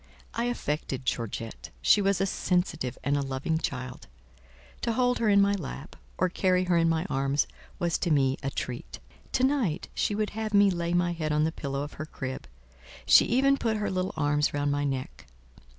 I affected Georgette; she was a sensitive and a loving child: to hold her in my lap, or carry her in my arms, was to me a treat. To night she would have me lay my head on the pillow of her crib; she even put her little arms round my neck.